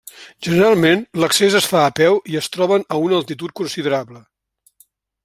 Generalment, l'accés es fa a peu i es troben a una altitud considerable.